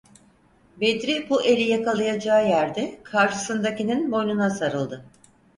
Bedri bu eli yakalayacağı yerde karşısındakinin boynuna sarıldı.